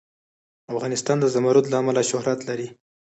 افغانستان د زمرد له امله شهرت لري.